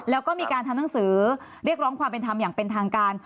แล้วก็มีการทำหนังสือเรียกร้องความเป็นธรรมอย่างเป็นทางการ